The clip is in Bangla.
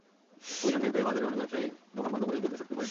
অভিযান টের পেয়ে বাজারের অনেক ব্যবসায়ী দোকান বন্ধ করে দ্রুত সটকে পড়েন।